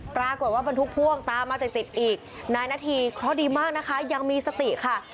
ปรากว่าว่าบรรทุกพ่วงตามมาติดอีกนายหน้าที่เค้าดีมากนะคะยังมีสติค่ะ